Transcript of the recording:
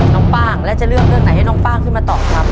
ป้างแล้วจะเลือกเรื่องไหนให้น้องฟ่างขึ้นมาตอบครับ